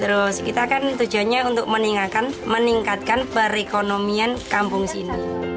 terus kita kan tujuannya untuk meningkatkan perekonomian kampung sini